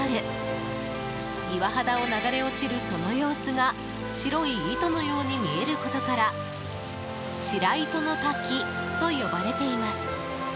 岩肌を流れ落ちるその様子が白い糸のように見えることから白糸の滝と呼ばれています。